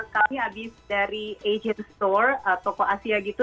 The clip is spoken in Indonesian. jadi kami habis dari asian store toko asia gitu